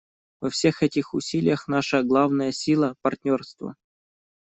Во всех этих усилиях наша главная сила — партнерство.